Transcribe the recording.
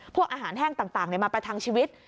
พวกอาหารแห้งต่างมาประทังชีวิต